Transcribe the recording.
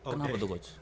kenapa tuh coach